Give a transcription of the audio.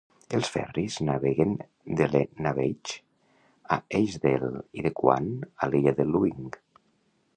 Els ferris naveguen d'Ellenabeich a Easdale, i de Cuan a l'illa de Luing.